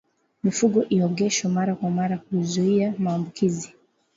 Mifugo iogeshwe mara kwa mara kuzuia maambukizi